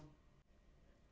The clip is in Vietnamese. kết quả mẫu xét nghiệm